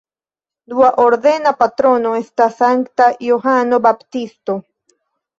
Dua ordena patrono estas Sankta Johano Baptisto.